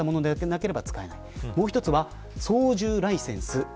もう１つは操縦ライセンス。